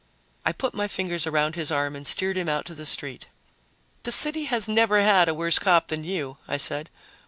I put my fingers around his arm and steered him out to the street. "This city has never had a worse cop than you," I said.